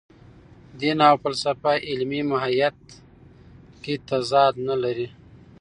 دین او فلسفه علمي ماهیت کې تضاد نه لري.